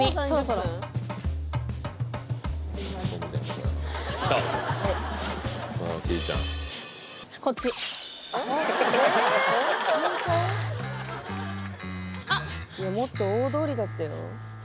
もっと大通りだったよ